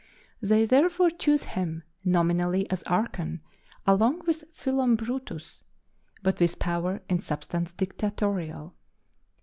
They therefore chose him, nominally as archon along with Philombrotus, but with power in substance dictatorial.